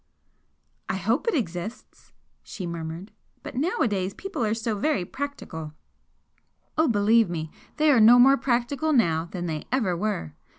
"I hope it exists," she murmured "But nowadays people are so VERY practical " "Oh, believe me, they are no more practical now than they ever were!"